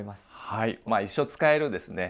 はい一生使えるですね